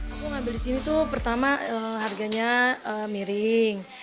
aku ngambil di sini tuh pertama harganya miring